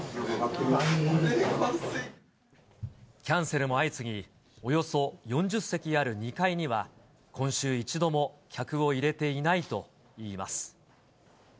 キャンセルも相次ぎ、およそ４０席ある２階には、今週、一度も客を入れていないといいます。